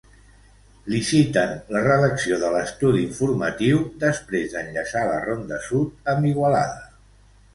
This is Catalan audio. Liciten la redacció de l'estudi informatiu després d'enllaçar la Ronda Sud amb Igualada.